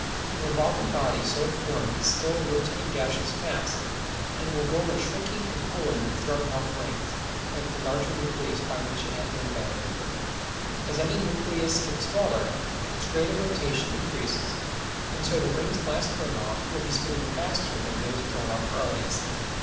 The revolving body so formed is still a rotating gaseous mass; and it will go on shrinking and cooling and throwing off rings, like the larger nucleus by which it has been abandoned. As any nucleus gets smaller, its rate of rotation increases, and so the rings last thrown off will be spinning faster than those thrown off earliest.